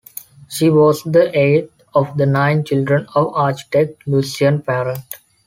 She was the eighth of the nine children of architect Lucien Parent.